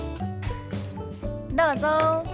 どうぞ。